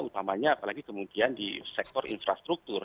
utamanya apalagi kemudian di sektor infrastruktur